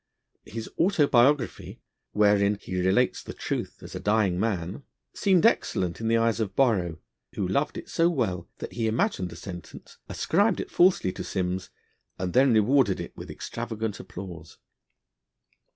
His autobiography, wherein 'he relates the truth as a dying man,' seemed excellent in the eyes of Borrow, who loved it so well that he imagined a sentence, ascribed it falsely to Simms, and then rewarded it with extravagant applause.